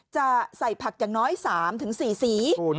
จะใส่ผักอย่างน้อย๓๔สี